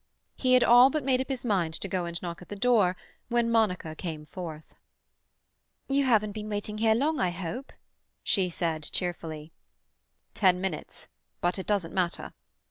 He had all but made up his mind to go and knock at the door when Monica came forth. "You haven't been waiting here long, I hope?" she said cheerfully. "Ten minutes. But it doesn't matter."